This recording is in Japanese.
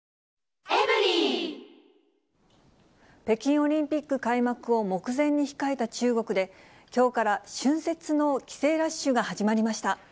北京オリンピック開幕を目前に控えた中国で、きょうから春節の帰省ラッシュが始まりました。